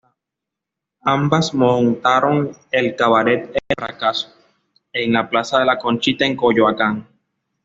Ambas montaron el cabaret "El Fracaso", en la Plaza de la Conchita en Coyoacán.